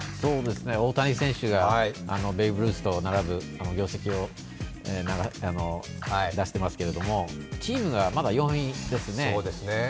大谷選手がベーブ・ルースと並ぶ業績を出してますけどチームがまだ４位ですね。